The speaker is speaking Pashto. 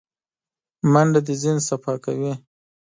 منډه د ذهن صفا کوي